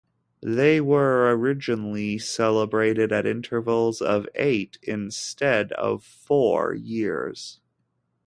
They were originally celebrated at intervals of eight instead of four years.